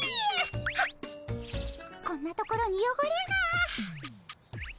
はっこんなところによごれが。